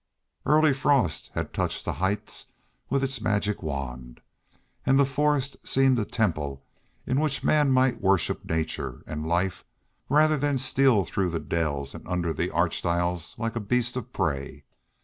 Early frost had touched the heights with its magic wand. And the forest seemed a temple in which man might worship nature and life rather than steal through the dells and under the arched aisles like a beast of prey.